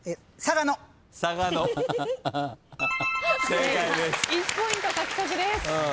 正解１ポイント獲得です。